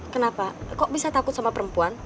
kenapa kok bisa takut sama perempuan